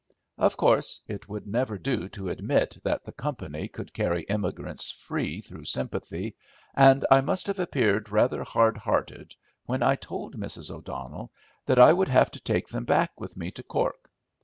Of course it would never do to admit that the company could carry emigrants free through sympathy, and I must have appeared rather hard hearted when I told Mrs. O'Donnell that I would have to take them back with me to Cork.